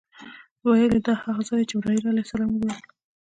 ویل یې دا هغه ځای دی چې جبرائیل علیه السلام وویل.